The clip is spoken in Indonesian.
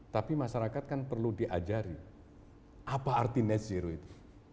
tapi masyarakat kan perlu diajari apa arti net zero itu